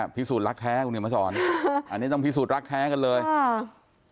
พิสูจน์รักแท้คุณเห็นมาสอนอันนี้ต้องพิสูจนรักแท้กันเลยค่ะ